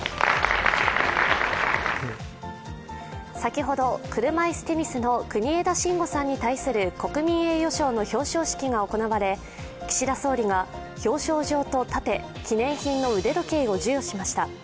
先ほど、車いすテニスの国枝慎吾さんに対する国民栄誉賞の表彰式が行われ、岸田総理が表彰状と盾、記念品の腕時計を授与しました。